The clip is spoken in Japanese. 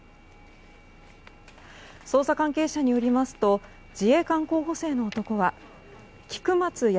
捜査関係者によりますと自衛官候補生の男は菊松安